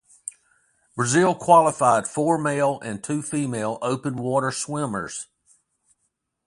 Brazil qualified four male and two female open water swimmers.